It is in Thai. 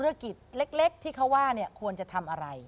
ธุรกิจเล็กที่เขาว่าควรจะทำว่าไหน